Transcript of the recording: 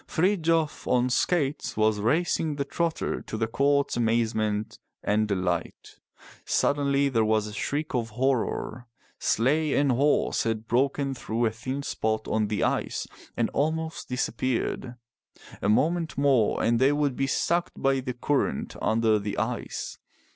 Frith jof on skates was racing the trotter to the court's amazement and delight. Suddenly there was a shriek of horror. Sleigh and horse had broken through a thin spot on the ice and almost dis appeared. A moment more and they would be sucked by the current under the ice.